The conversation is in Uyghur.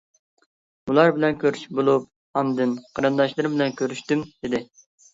بۇلار بىلەن كۆرۈشۈپ بولۇپ ئاندىن قېرىنداشلىرىم بىلەن كۆرۈشتۈم، -دېدى.